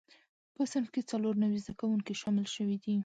په صنف کې څلور نوي زده کوونکي شامل شوي دي.